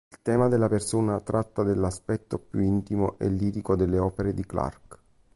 Il tema della persona tratta dell’aspetto più intimo e lirico delle opere di Clarke.